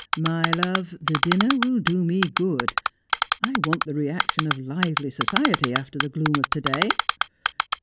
' My love, the dinner will do me good. I want the reaction of lively society after the gloom of to day.'